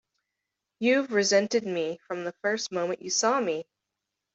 You've resented me from the first moment you saw me!